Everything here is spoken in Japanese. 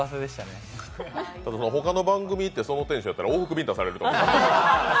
他の番組行ってそのテンションやったら往復ビンタされますよ。